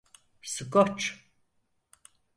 Skoç…